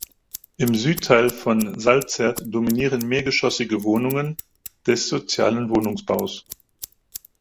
Im Südteil vom Salzert dominieren mehrgeschossige Wohnungen des sozialen Wohnungsbaus.